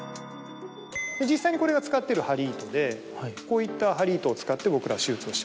実際にこれが使ってる針糸でこういった針糸を使って僕ら手術をします。